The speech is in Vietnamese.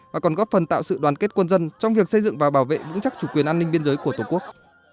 mà còn góp phần tạo sự đoàn kết quân dân trong việc xây dựng và bảo vệ vững chắc chủ quyền an ninh biên giới của tổ quốc